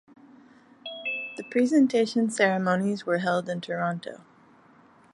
The presentation ceremonies were held in Toronto.